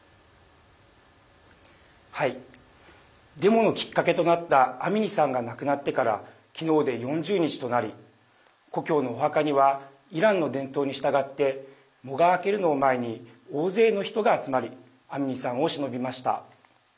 デモのきっかけとなったアミニさんが亡くなってから昨日で４０日となり故郷のお墓にはイランの伝統に従って喪が明けるのを前に大勢の人が集まりアミニさんをしのびました。